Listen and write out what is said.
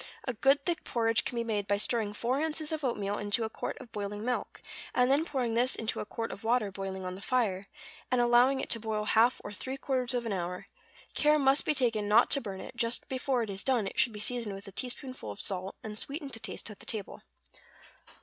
A good thick porridge can be made by stirring four ounces of oatmeal into a quart of boiling milk, and then pouring this into a quart of water boiling on the fire, and allowing it to boil half or three quarters of an hour; care must be taken not to burn it; just before it is done it should be seasoned with a teaspoonful of salt; and sweetened to taste at the table.